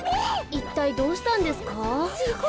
いったいどうしたんですか？